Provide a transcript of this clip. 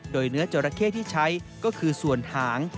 โดยเนื้อจราเข้ที่ใช้ก็คือส่วนหาง